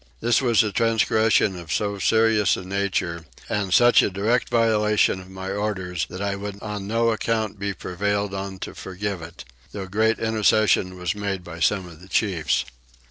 This was a transgression of so serious a nature and such a direct violation of my orders that I would on no account be prevailed on to forgive it, though great intercession was made by some of the chiefs.